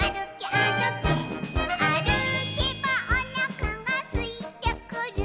「あるけばおなかがすいてくる」